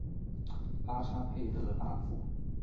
拉沙佩勒纳夫。